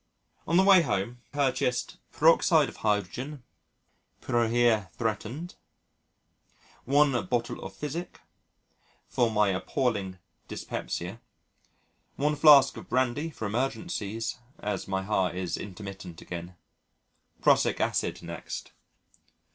On the way home, purchased: Peroxide of hydrogen (pyorrhœa threatened). One bottle of physic (for my appalling dyspepsia). One flask of brandy for emergencies (as my heart is intermittent again). Prussic acid next.